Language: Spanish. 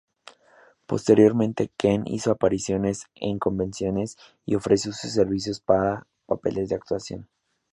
Posteriormente Ken hizo apariciones en convenciones y ofreció sus servicios para papeles de actuación.